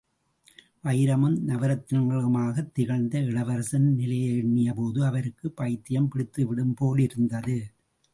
வைரமும் நவரத்தினங்களுமாகத் திகழ்ந்த இளவரசரின் நிலையை எண்ணிய போது அவருக்குப் பைத்தியம் பிடித்துவிடும் போலிருந்தது.